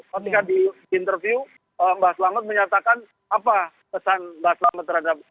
ketika diinterview mbak selamat menyatakan apa pesan mbak selamat terhadap